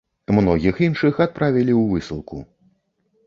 Многіх іншых адправілі ў высылку.